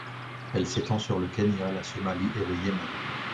Elle s'étend sur le Kenya, la Somalie et le Yémen.